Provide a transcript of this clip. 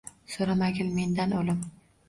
So’ramagil mendan o’lim